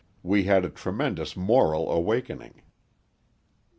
we had a tremendous moral awakening.